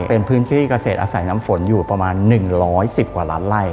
เป็นพื้นที่เกษตรอาศัยน้ำฝนอยู่ประมาณ๑๑๐กว่าล้านไล่